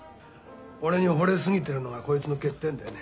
俺にほれ過ぎてるのがこいつの欠点でね。